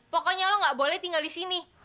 pokoknya lo gak boleh tinggal di sini